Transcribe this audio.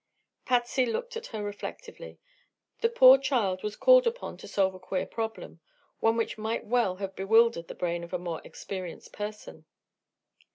Patsy looked at her reflectively. The poor child was called upon to solve a queer problem one which might well have bewildered the brain of a more experienced person.